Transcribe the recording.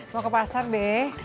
mau ke pasar be